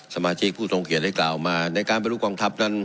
สมาชิกผู้ทรงเกียจได้กล่าวมาในการปฏิรูปกองทัพนั้น